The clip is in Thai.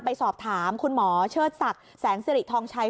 ไปสอบถามคุณหมอเชิดศักดิ์แสงสิริทองชัย